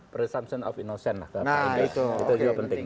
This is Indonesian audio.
presumption of innocent nah itu juga penting